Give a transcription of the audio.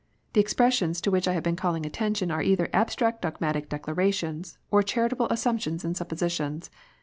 The expressions to which I have been calling atten tion are either abstract dogmatic declarations, or charitable assumptions and suppositions.